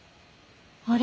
あれ？